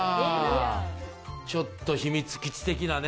ちょっと秘密基地的なね。